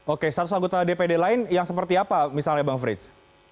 oke status anggota dpd lain yang seperti apa misalnya bang frits